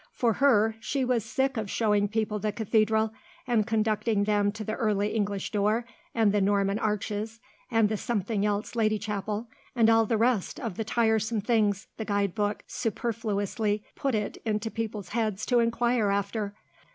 For her, she was sick of showing people the Cathedral, and conducting them to the Early English door and the Norman arches, and the something else Lady chapel, and all the rest of the tiresome things the guide book superfluously put it into people's heads to inquire after.